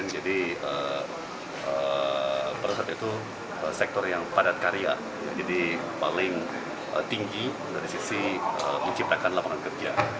jadi pariwisata itu sektor yang padat karya jadi paling tinggi dari sisi menciptakan lapangan kerja